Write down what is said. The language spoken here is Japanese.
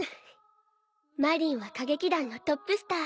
マリンは歌劇団のトップスター。